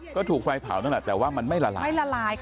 ก็ถูกไฟเผาตั้งแต่ว่ามันไม่ละลาย